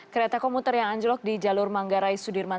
kereta komuter yang anjlok di jalur manggarai sudirman